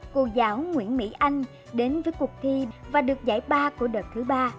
cô giáo nguyễn mỹ anh đến với cuộc thi và được giải ba của đợt thứ ba